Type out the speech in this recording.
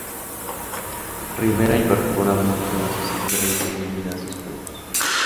Rivera incorpora muchos de sus experiencias de vida a sus juegos.